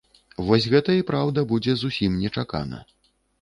Вось гэта і праўда будзе зусім нечакана.